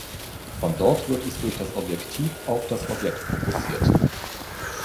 Von dort wird es durch das Objektiv auf das Objekt fokussiert.